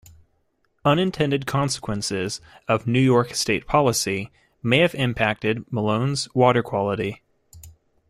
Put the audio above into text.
Unintended consequences of New York State policy may have impacted Malone's water quality.